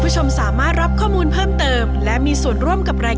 จากนานแห่งประสบบริญญาณสภาพแมนแนวพระราช